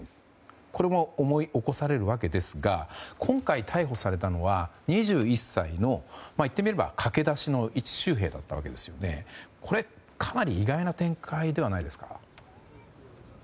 これも思い起こされるわけですが今回、逮捕されたのは２１歳のいってみれば駆け出しの一州兵だったわけでこれ、かなり意外な展開ではないですか？